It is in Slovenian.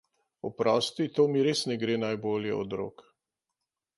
Oprosti, to mi res ne gre najbolje od rok.